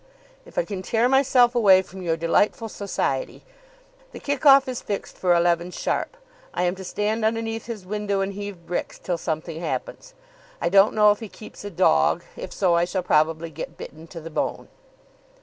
"If I can tear myself away from your delightful society. The kick off is fixed for eleven sharp. I am to stand underneath his window and heave bricks till something happens. I don't know if he keeps a dog. If so, I shall probably get bitten to the bone."